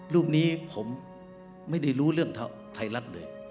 รูปนี้ผมไม่ได้รู้เรื่องไทยรัฐเลย